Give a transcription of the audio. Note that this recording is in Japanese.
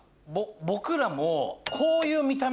僕らも。